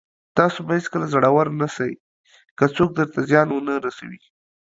تاسو به هېڅکله زړور نسٸ، که څوک درته زيان ونه رسوي.